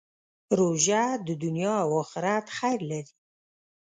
روژه د دنیا او آخرت خیر لري.